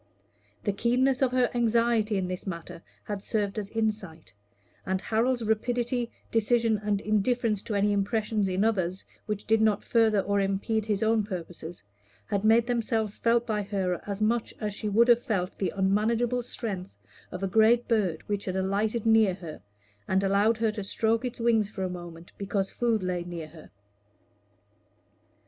The keenness of her anxiety in this matter had served as insight; and Harold's rapidity, decision, and indifference to any impressions in others, which did not further or impede his own purposes, had made themselves felt by her as much as she would have felt the unmanageable strength of a great bird which had alighted near her, and allowed her to stroke its wing for a moment because food lay near her.